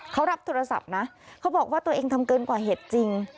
เขารับโทรศัพท์นะเขาบอกว่าตัวเองทำเกินกว่าเหตุจริง